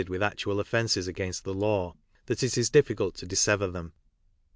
wltl i actual offences against the law, that it is difficult to dissever them.